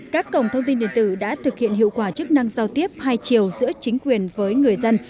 các cổng thông tin điện tử đã thực hiện hiệu quả chức năng giao tiếp hai chiều giữa chính quyền với người dân